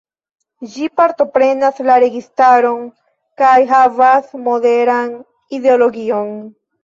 Ĝi partoprenas la registaron kaj havas moderan ideologion.